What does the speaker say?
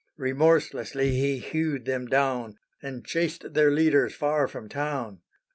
Remorselessly he hewed them down, And chased their leaders far from town.